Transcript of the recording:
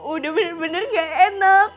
udah bener bener gak enak